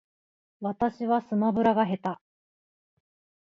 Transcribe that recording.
私はスマブラが下手